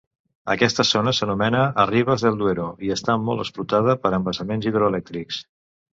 Aquesta zona s'anomena Arribes del Duero i està molt explotada per embassaments hidroelèctrics.